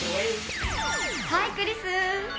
ハイクリス。